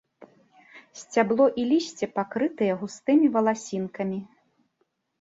Сцябло і лісце пакрытыя густымі валасінкамі.